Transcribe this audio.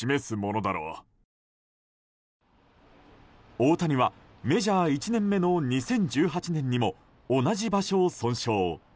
大谷は、メジャー１年目の２０１８年にも同じ場所を損傷。